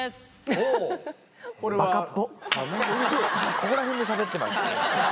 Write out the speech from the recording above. ここら辺でしゃべって。